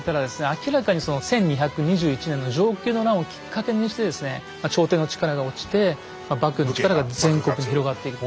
明らかにその１２２１年の承久の乱をきっかけにしてですね朝廷の力が落ちて幕府の力が全国に広がっている。